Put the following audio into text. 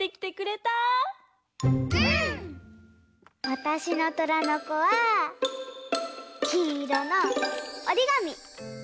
わたしの「虎の子」はきんいろのおりがみ！